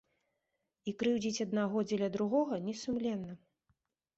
І крыўдзіць аднаго дзеля другога не сумленна.